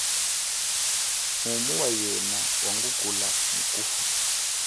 Mumu wa yena wangukula mu kufa.